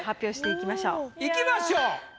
いきましょう。